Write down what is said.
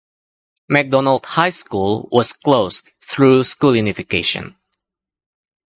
McDonald High School was closed through school unification.